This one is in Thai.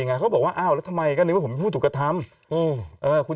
ไงเขาบอกว่าอ้าวแล้วทำไมก็นึกว่าผมพูดถูกธรรมเออคุณ